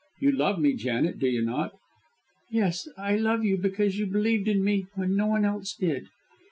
You love me, Janet, do you not?" "Yes, I love you, because you believed in me when no one else did."